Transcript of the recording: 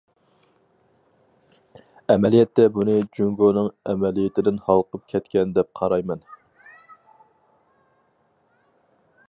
ئەمەلىيەتتە بۇنى جۇڭگونىڭ ئەمەلىيىتىدىن ھالقىپ كەتكەن دەپ قارايمەن.